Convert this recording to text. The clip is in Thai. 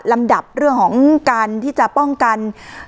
ลำดับเรื่องของการที่จะป้องกัน